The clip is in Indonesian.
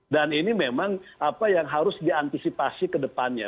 ini memang apa yang harus diantisipasi ke depannya